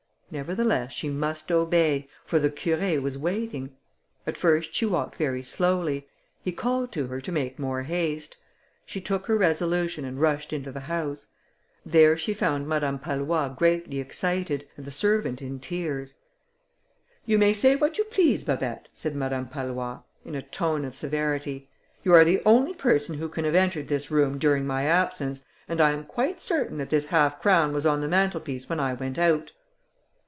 Nevertheless, she must obey, for the Curé was waiting. At first she walked very slowly; he called to her to make more haste: she took her resolution and rushed into the house. There she found Madame Pallois greatly excited, and the servant in tears. "You may say what you please, Babet," said Madame Pallois, in a tone of severity, "you are the only person who can have entered this room during my absence, and I am quite certain that this half crown was on the mantelpiece when I went out."